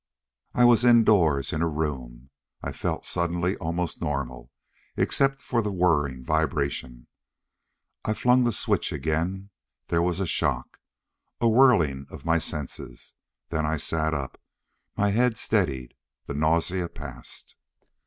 I was indoors, in a room. I felt suddenly almost normal, except for the whirring vibration. I flung the switch again. There was a shock. A whirling of my senses. Then I sat up; my head steadied. The nausea passed.